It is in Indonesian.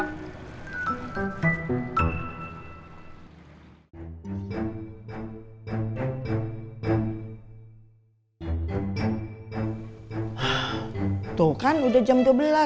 tuh kan udah jam dua belas